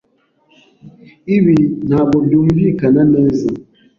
Ibi ntabwo byumvikana neza.